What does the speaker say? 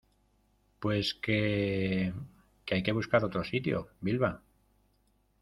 pues que... que hay que buscar otro sitio, Vilma .